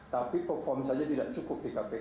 tapi perform saja tidak cukup di kpk